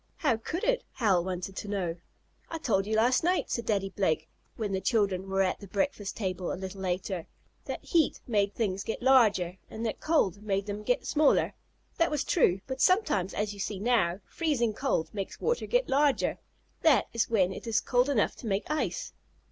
"How could it?" Hal wanted to know. "I told you last night," said Daddy Blake, when the children were at breakfast table a little later, "that heat made things get larger, and that cold made them get smaller. That was true, but sometimes, as you see now, freezing cold makes water get larger. That is when it is cold enough to make ice.